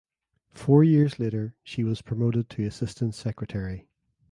Four years later she was promoted to assistant secretary.